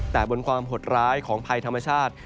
แต่บนความหดร้ายของภัยธรรมชาติ